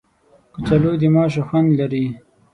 کچالو د ماشو خوند لري